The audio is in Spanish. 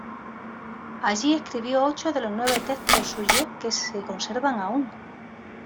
Allí escribió ocho de los nueve textos suyos que se conservan aún.